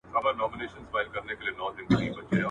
يا غوړ غړی، يا موړ مړی.